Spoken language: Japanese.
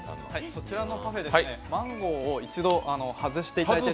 こちらのパフェですね、マンゴーを一度外していただいて。